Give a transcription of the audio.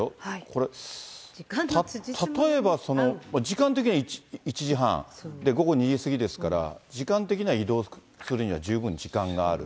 これ、例えば時間的には１時半、で、午後２時過ぎですから、時間的には移動するには十分時間がある。